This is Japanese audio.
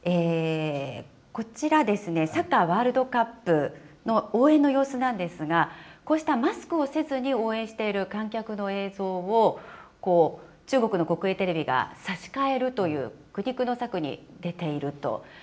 こちら、サッカーワールドカップの応援の様子なんですが、こうしたマスクをせずに応援している観客の映像を、中国の国営テレビが差し替えるという、苦肉の策に出ていると。